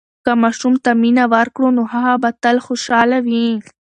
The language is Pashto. که ماشوم ته مینه ورکړو، نو هغه به تل خوشحاله وي.